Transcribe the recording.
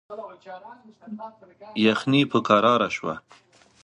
یخني په کراره شوه.